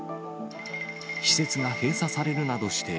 施設が閉鎖されるなどして、